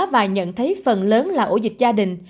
và nhận thấy phần lớn là ổ dịch gia đình